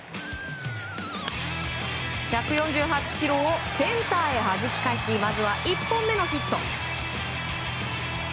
１４８キロをセンターへはじき返しまずは１本目のヒット。